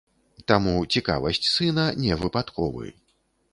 Таму цікавасць сына не выпадковы.